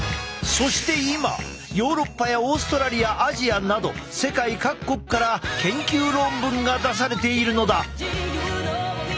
そして今ヨーロッパやオーストラリアアジアなど世界各国から研究論文が出されているのだ。